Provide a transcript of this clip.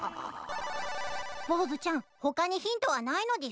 ボーズちゃん他にヒントはないのでぃすか？